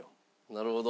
なるほど。